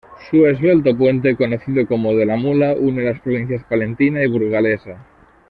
Su esbelto puente, conocido como "de la Mula" une las provincias palentina y burgalesa.